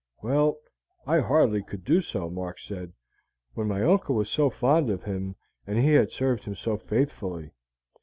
"Well, I hardly could do so," Mark said, "when my uncle was so fond of him, and he had served him so faithfully."